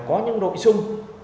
có những nội dung